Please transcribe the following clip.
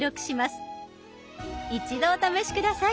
一度お試し下さい。